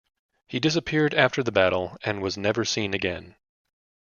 He disappeared after the battle and was never seen again.